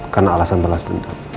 karena alasan balas dendam